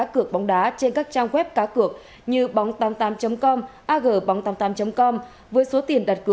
có thể bị bắt giữ